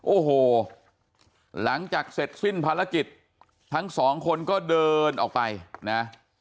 โอ้โหหลังจากเสร็จสิ้นภารกิจทั้งสองคนก็เดินออกไปนะ